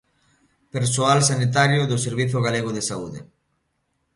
Persoal sanitario do Servizo Galego de Saúde.